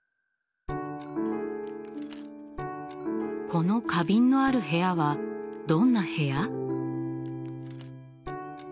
この花瓶のある部屋はどんな部屋？